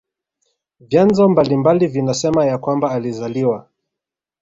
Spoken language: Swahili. Vyanzo mbalimbali vinasema ya kwamba alizaliwa